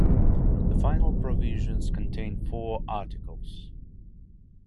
The final provisions contain four Articles.